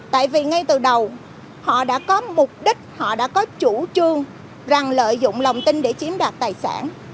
tại vì ngay từ đầu họ đã có mục đích họ đã có chủ trương rằng lợi dụng lòng tin để chiếm đoạt tài sản